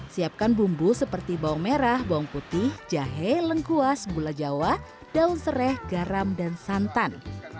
siapkan bumbu seperti bawang merah bawang putih jahe lengkuas gula jawa daun serai garam dan santan